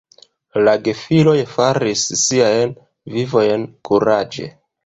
La gefiloj faris siajn vivojn kuraĝe.